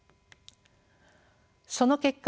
その結果